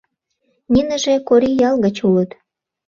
Ниныже Корий ял гыч улыт.